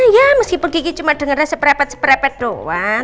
ya meskipun kiki cuma dengeran seperepet seperepet doang